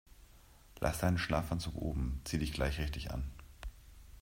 Lass deinen Schlafanzug oben, zieh dich gleich richtig an.